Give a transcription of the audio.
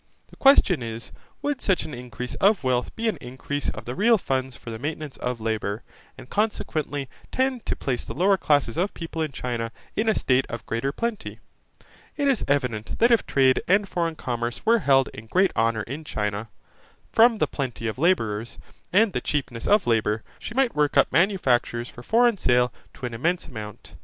The question is, would such an increase of wealth be an increase of the real funds for the maintenance of labour, and consequently tend to place the lower classes of people in China in a state of greater plenty? It is evident, that if trade and foreign commerce were held in great honour in China, from the plenty of labourers, and the cheapness of labour, she might work up manufactures for foreign sale to an immense amount.